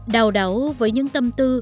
đào đáu với những tâm tư